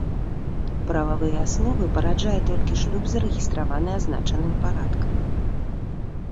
Прававыя асновы параджае толькі шлюб, зарэгістраваны азначаным парадкам.